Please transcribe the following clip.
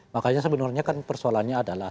makanya sebenarnya kan persoalannya adalah